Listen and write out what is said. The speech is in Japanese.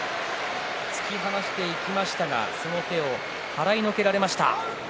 突き放していきましたがその手を払いのけられました。